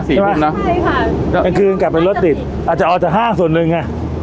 ใช่ค่ะกลางคืนกลับไปรถติดอาจจะเอาแต่ห้างส่วนหนึ่งไง